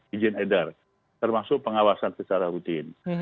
izin edar termasuk pengawasan secara rutin